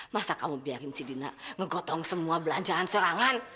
masa kamu biarin si dina menggotong semua belanjaan serangan